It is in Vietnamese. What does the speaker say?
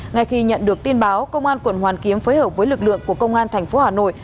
ngay khi nhận được tin báo công an quận hoàn kiếm phối hợp với lực lượng của công an thành phố hà nội